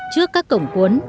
trước các cổng cuốn